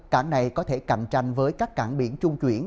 cảng này có thể cạnh tranh với các cảng biển trung chuyển